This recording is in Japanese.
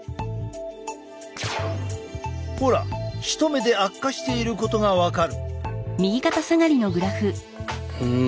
ほら一目で悪化していることが分かる。